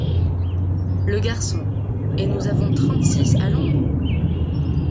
Le Garçon. — Et nous avons trente-six à l’ombre !